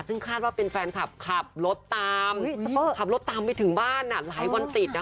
ซึ่งคาดว่าเป็นแฟนคลับขับรถตามขับรถตามไปถึงบ้านหลายวันติด